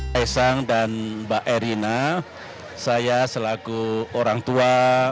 kaisang dan mbak erina saya selaku orang tua